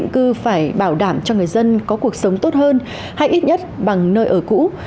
công tác tái định cư phải bảo đảm cho người dân có cuộc sống tốt hơn hay ít nhất bằng nơi ở cũ